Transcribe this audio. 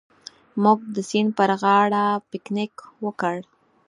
موږ د سیند پر غاړه پکنیک وکړ.